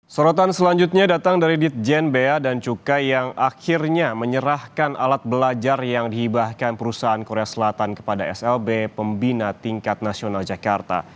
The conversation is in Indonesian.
sorotan selanjutnya datang dari ditjen bea dan cukai yang akhirnya menyerahkan alat belajar yang dihibahkan perusahaan korea selatan kepada slb pembina tingkat nasional jakarta